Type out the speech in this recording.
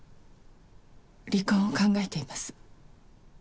離婚を考えています。